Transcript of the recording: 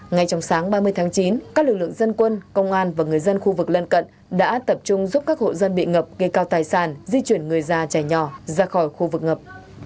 ngay trong sáng ba mươi tháng chín các lực lượng dân quân công an và người dân khu vực lân cận đã tập trung giúp các hộ dân bị ngập gây cao tài sản di chuyển người già trẻ nhỏ ra khỏi khu vực ngập